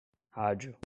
rádio